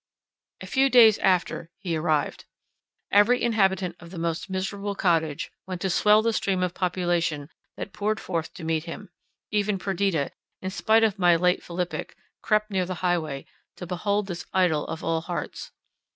A few days after he arrived. Every inhabitant of the most miserable cottage, went to swell the stream of population that poured forth to meet him: even Perdita, in spite of my late philippic, crept near the highway, to behold this idol of all hearts.